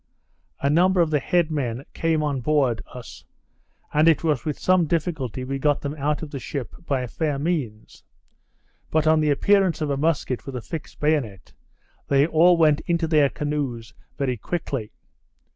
A number of the head men came on board us, and it was with some difficulty we got them out of the ship by fair means; but on the appearance of a musket with a fixed bayonet, they all went into their canoes very quickly.